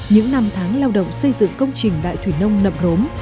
những năm tháng lao động xây dựng công trình đại thủy nông nậm rốm